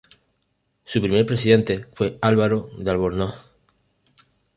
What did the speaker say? Su primer presidente fue Álvaro de Albornoz.